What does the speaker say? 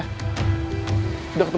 jangan lagi aja